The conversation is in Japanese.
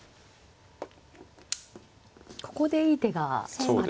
ここでいい手があるんですか。